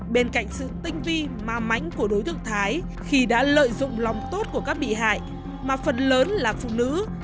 bên cạnh sự tinh vi ma mánh của đối tượng thái khi đã lợi dụng lòng tốt của các bị hại mà phần lớn là phụ nữ